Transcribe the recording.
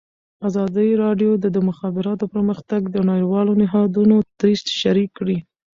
ازادي راډیو د د مخابراتو پرمختګ د نړیوالو نهادونو دریځ شریک کړی.